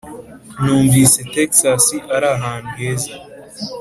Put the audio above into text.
numvise texas ari ahantu heza.